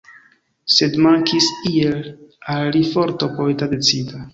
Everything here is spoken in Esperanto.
Sed mankis iel al li forto poeta decida.